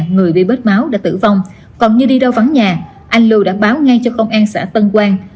người bị vết máu đã tử vong còn như đi đâu vắng nhà anh lưu đã báo ngay cho công an xã tân quang